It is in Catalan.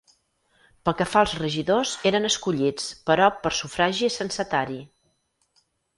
Pel que fa als regidors eren escollits però per sufragi censatari.